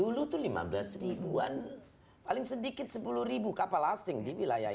dulu itu lima belas ribuan paling sedikit sepuluh ribu kapal asing di wilayah ini